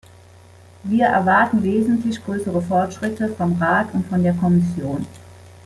Wir erwarten wesentlich größere Fortschritte vom Rat und von der Kommission.